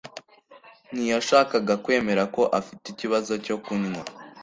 ntiyashakaga kwemera ko afite ikibazo cyo kunywa.